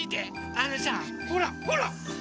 あのさほらほら！